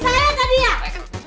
kami nya mengambil satu menyusil